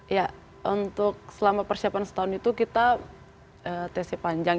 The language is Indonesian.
ya untuk selama persiapan setahun itu kita tesnya panjang